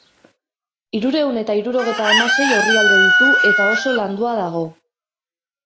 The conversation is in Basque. Hirurehun eta hirurogeita hamasei orrialde ditu eta oso landua dago.